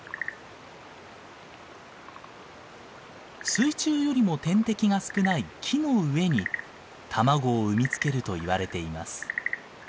水中よりも天敵が少ない木の上に卵を産み付けるといわれています。